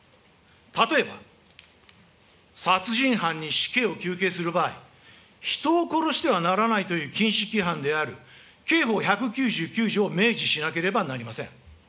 例えば、殺人犯に死刑を求刑する場合、人を殺してはならないという禁止規範である、刑法１９９条を明示しなければなりません。